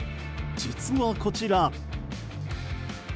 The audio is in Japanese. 実はこちら。